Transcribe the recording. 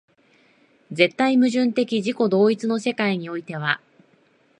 絶対矛盾的自己同一の世界においては、